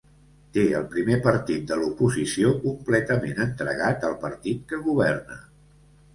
Té el primer partit de l’oposició completament entregat al partit que governa.